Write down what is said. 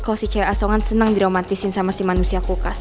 kalau si cewek asongan senang diromantisin sama si manusia kulkas